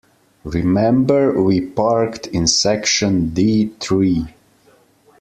Remember we parked in section D three.